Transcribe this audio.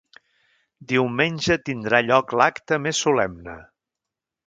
Diumenge tindrà lloc l’acte més solemne.